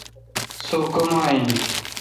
سوکما این۔